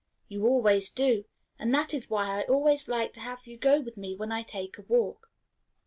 You always do, and that is why I always like to have you go with me when I take a walk."